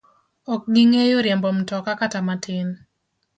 Ok ging'eyo riembo mtoka kata matin.